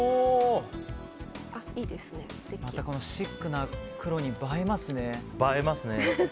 シックな黒に映えますね。